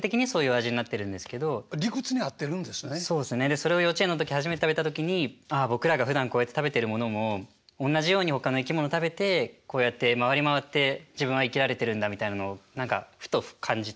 それを幼稚園の時初めて食べた時にああ僕らがふだんこうやって食べてるものもおんなじようにほかの生き物食べてこうやって回り回って自分は生きられてるんだみたいなのを何かふと感じて。